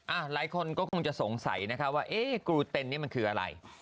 หลายคนก็คงจะสงสัยนะคะว่าเอ๊ะกรูเต็นนี่มันคืออะไร